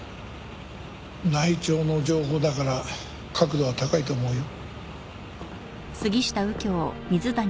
内調の情報だから確度は高いと思うよ。